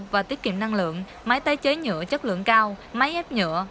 và tiết kiệm năng lượng máy tái chế nhựa chất lượng cao máy ép nhựa